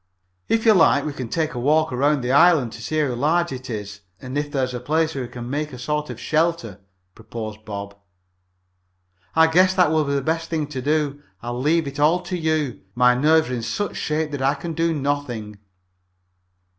"If you like we'll take a walk around the island, see how large it is and if there's a place where we can make a sort of shelter," proposed Bob. "I guess that will be the best thing to do. I leave it all to you. My nerves are in such shape that I can do nothing."